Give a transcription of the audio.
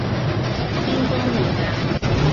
邊方面嘅？